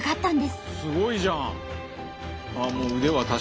すごいじゃん！